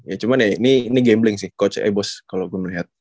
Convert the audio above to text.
ya cuman ya ini ini gambling sih coach eh bos kalau gue melihat